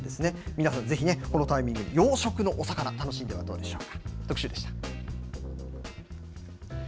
皆さん、ぜひね、このタイミングに養殖のお魚、楽しんでみてはいかがでしょうか。